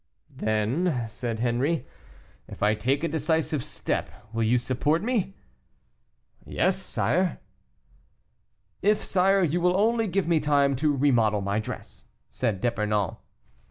"Then," said Henri, "if I take a decisive step, you will support me?" "Yes, sire." "If, sire, you will only give me time to remodel my dress," said D'Epernon.